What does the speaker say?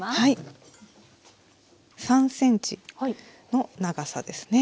３ｃｍの長さですね。